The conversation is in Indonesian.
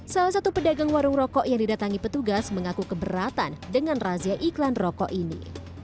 salah satu pedagang warung rokok yang didatangi petugas mengaku keberatan dengan razia iklan rokok ini